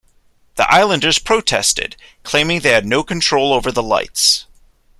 The Islanders protested, claiming they had no control over the lights.